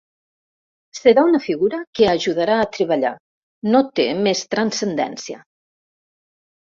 Serà una figura que ajudarà a treballar, no té més transcendència.